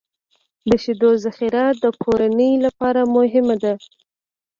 د شیدو ذخیره د کورنۍ لپاره مهمه ده.